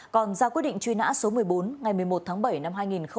còn ra quyết định truy nã số một mươi bốn ngày một mươi một tháng bảy năm hai nghìn một mươi